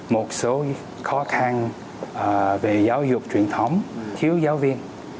một số khó khăn về giáo dục truyền thống thiếu giáo viên